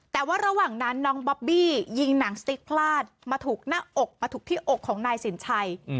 แต่ว่าระหว่างนั้นน้องบอบบี้ยิงหนังสติ๊กพลาดมาถูกหน้าอกมาถูกที่อกของนายสินชัย